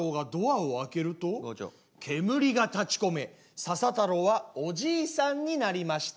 「煙が立ちこめ佐々太郎はおじいさんになりました」。